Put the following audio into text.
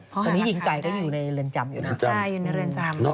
เพราะมีหญิงไก่ก็อยู่ในเรือนจำอยู่แล้วนะครับใช่อยู่ในเรือนจำ